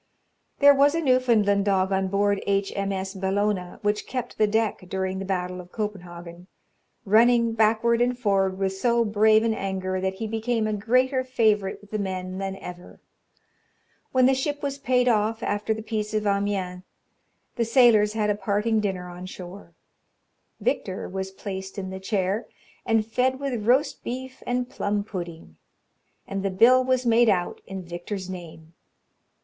There was a Newfoundland dog on board H. M. S. Bellona, which kept the deck during the battle of Copenhagen, running backward and forward with so brave an anger, that he became a greater favourite with the men than ever. When the ship was paid off, after the peace of Amiens, the sailors had a parting dinner on shore. Victor was placed in the chair, and fed with roast beef and plum pudding, and the bill was made out in Victor's name.